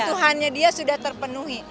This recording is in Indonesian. kebutuhannya dia sudah terpenuhi